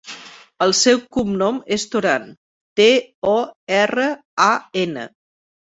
El seu cognom és Toran: te, o, erra, a, ena.